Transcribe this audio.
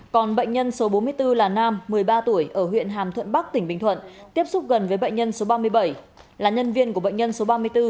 còn bệnh nhân số bốn mươi bốn là nam một mươi ba tuổi ở huyện hàm thuận bắc tỉnh bình thuận tiếp xúc gần với bệnh nhân số ba mươi bảy là nhân viên của bệnh nhân số ba mươi bốn